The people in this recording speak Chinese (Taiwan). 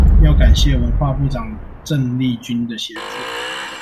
要感謝文化部長鄭麗君的協助